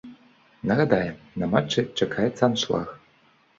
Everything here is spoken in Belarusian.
Нагадаем, на матчы чакаецца аншлаг.